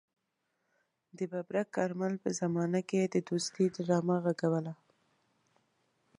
د ببرک کارمل په زمانه کې يې د دوستۍ ډرامه غږوله.